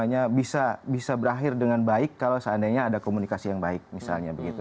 itu akan bisa berakhir dengan baik kalau seandainya ada komunikasi yang baik misalnya